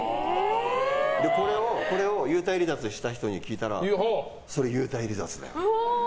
これを幽体離脱した人に聞いたらそれ、幽体離脱だよって。